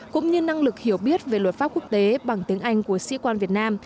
cũng như năng lực hiểu biết về luật pháp quốc tế bằng tiếng anh của sĩ quan việt nam